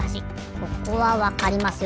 ここはわかりますよ